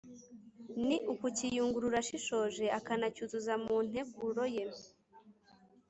Ni ukukiyungurura ashishoje akanacyuzuza mu nteguro ye